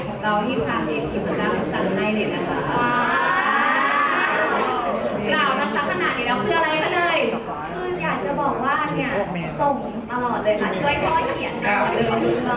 คืออยากจะบอกว่าเนี้ยส่งตลอดเลยนะช่วยพ่อเขียน